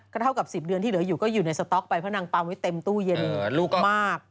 เท่ากับ๑๐เดือนที่เหลืออยู่ก็อยู่ในสต๊อกไปเพราะนางปั๊มไว้เต็มตู้เย็นลูกมาก